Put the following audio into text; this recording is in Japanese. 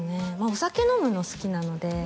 お酒飲むの好きなのでは